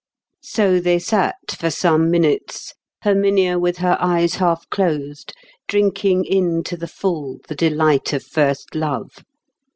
So they sat for some minutes, Herminia with her eyes half closed, drinking in to the full the delight of first love.